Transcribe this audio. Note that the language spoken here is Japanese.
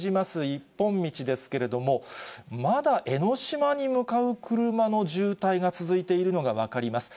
一本道ですけれども、まだ江の島に向かう車の渋滞が続いているのが分かります。